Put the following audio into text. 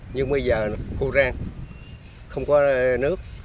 nhưng bây giờ khô ràng không có nước